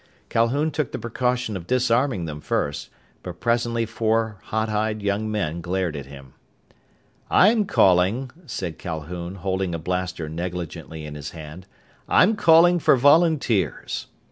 Calhoun took the precaution of disarming them first, but presently four hot eyed young men glared at him. "I'm calling," said Calhoun, holding a blaster negligently in his hand, "I'm calling for volunteers.